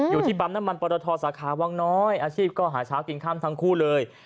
อยู่ที่ปั๊มน้ำมันปรทสาขาวังน้อยอาชีพก็หาเช้ากินค่ำทั้งคู่เลย